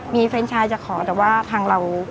มีแฟนชายจะขอแต่ว่าทางเรา